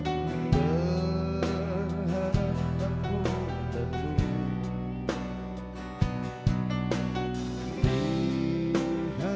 berharap takbun tentu